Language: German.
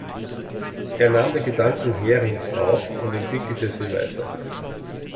Er nahm die Gedanken Herings auf und entwickelte sie weiter.